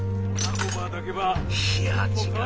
いや違う。